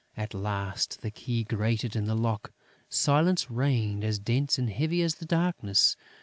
At last, the key grated in the lock. Silence reigned as dense and heavy as the darkness.